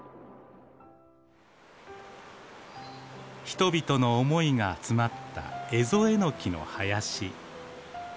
人々の思いが詰まったエゾエノキの林。